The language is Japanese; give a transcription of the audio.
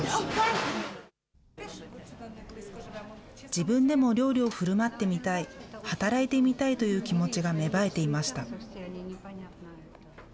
自分でも料理をふるまってみたい、働いてみたいという気持ちが芽生えていました。